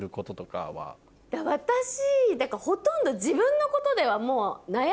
私ほとんど。